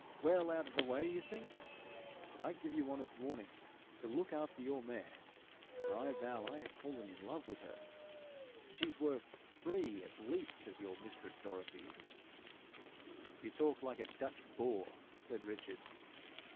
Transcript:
Well out of the way, you think! But I give you honest warning to look after your mare, for I vow I have fallen in love with her. She's worth three, at least, of your mistress Dorothies.' 'You talk like a Dutch boor,' said Richard.